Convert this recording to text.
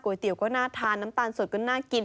เตี๋ยวก็น่าทานน้ำตาลสดก็น่ากิน